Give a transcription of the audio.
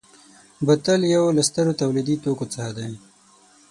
بوتل یو له سترو تولیدي توکو څخه دی.